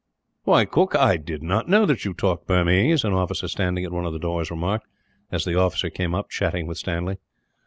"Why, Cooke, I did not know that you talked Burmese," an officer standing at one of the doors remarked, as the officer came along, chatting with Stanley.